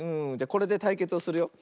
これでたいけつをするよ。